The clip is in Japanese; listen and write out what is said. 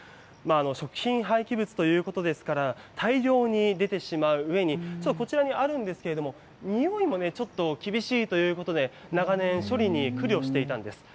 食品廃棄物ということですから、大量に出てしまううえに、こちらにあるんですけれども、臭いもね、ちょっと厳しいということで、長年、処理に苦慮していたんです。